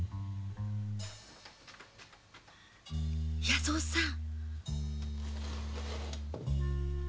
弥蔵さん。